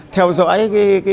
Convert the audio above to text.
theo dõi cái